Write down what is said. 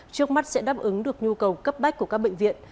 trước mắt sẽ đáp ứng được nhu cầu cấp bách của các bệnh viện